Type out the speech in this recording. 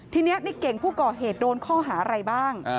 ทีนี้ในเก่งผู้ก่อเหตุโดนข้อหาอะไรบ้าง